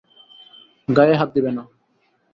গায়ে হাত দেবে না।